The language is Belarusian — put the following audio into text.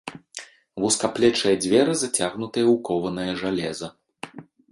Вузкаплечыя дзверы зацягнутыя ў кованае жалеза.